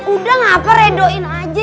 udah ngapa redoin aja